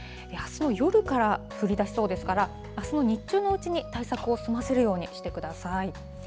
あすの夜から降りだしそうですから、あすの日中のうちに対策を済ませるようにしてください。